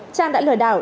trang đã lừa đảo